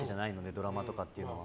ドラマっていうのは。